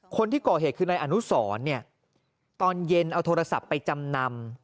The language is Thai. คนที่ก่อเหตุคือนายอนุสรเนี่ยตอนเย็นเอาโทรศัพท์ไปจำนำ